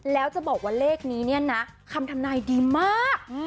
แล้วจะบอกว่าเลขนี้เนี่ยนะคำทำนายดีมาก